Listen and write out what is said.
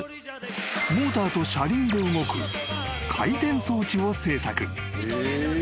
［モーターと車輪で動く回転装置を製作］